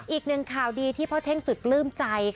อีกหนึ่งข่าวดีที่พ่อเท่งสุดปลื้มใจ